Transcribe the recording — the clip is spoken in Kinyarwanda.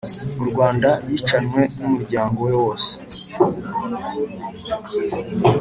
u rwanda yicanwe n'umuryango we wose.